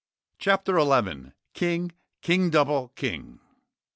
CHAPTER 11 King, King Double King!